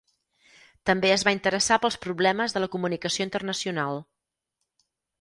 També es va interessar pels problemes de la comunicació internacional.